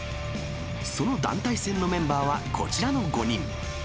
その団体戦のメンバーはこちらの５人。